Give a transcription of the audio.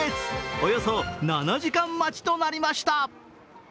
およそ７時間待ちとなりました。